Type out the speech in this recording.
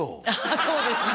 そうですね